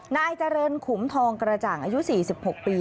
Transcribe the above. นายเจริญขุมทองกระจ่างอายุ๔๖ปี